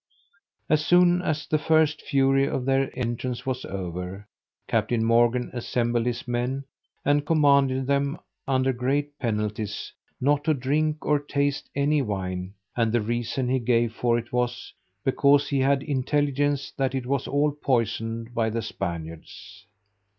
As soon as the first fury of their entrance was over, Captain Morgan assembled his men, and commanded them, under great penalties, not to drink or taste any wine; and the reason he gave for it was, because he had intelligence that it was all poisoned by the Spaniards.